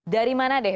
dari mana deh